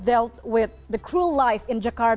dengan kehidupan yang krual di jakarta